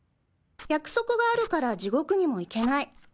約束があるから地獄にも行けない。